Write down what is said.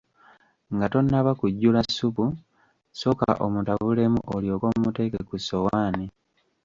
Nga tonnaba kujjula ssupu sooka omutabulemu olyoke omuteeke ku ssowaani.